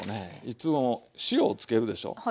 いつも塩をつけるでしょう。